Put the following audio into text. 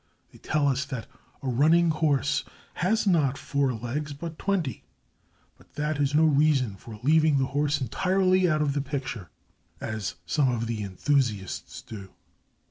They tell us that a running horse "has not four legs, but twenty," but that is no reason for leaving the horse entirely out of the picture, as some of the enthusiasts do.